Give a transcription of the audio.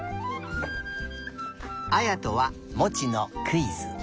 あやとはモチのクイズ！